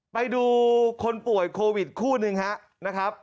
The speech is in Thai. ไปดูคนป่วยโควิดคู่หนึ่งครับนะครับ